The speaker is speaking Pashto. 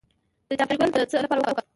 د جعفری ګل د څه لپاره وکاروم؟